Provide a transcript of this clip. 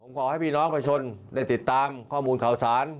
ขอให้พี่น้องประชาชนได้ติดตามข้อมูลข่าวสาร